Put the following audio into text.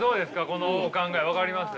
このお考え分かります？